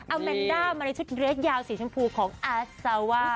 แมนด้ามาในชุดเรสยาวสีชมพูของอาซาว่า